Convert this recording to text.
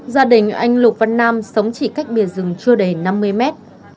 gia đình anh lục văn nam sống chỉ cách bìa rừng chưa đầy năm mươi mét